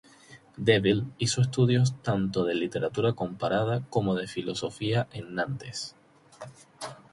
Deville hizo estudios tanto de literatura comparada como de filosofía en Nantes.